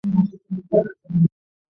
গোরা কহিল, বিনয়ের কিছু হয় নি, আমারই হয়েছে।